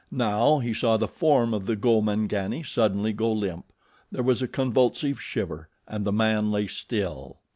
Now he saw the form of the Gomangani suddenly go limp. There was a convulsive shiver and the man lay still.